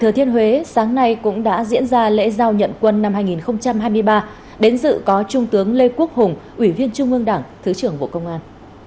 thừa thiên huế sáng nay cũng đã diễn ra lễ giao nhận quân năm hai nghìn hai mươi ba đến dự có trung tướng lê quốc hùng ủy viên trung ương đảng thứ trưởng bộ công an